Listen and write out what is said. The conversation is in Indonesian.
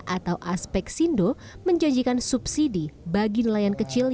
atau aspek sindo menjanjikan subsidi bagi nelayan kecil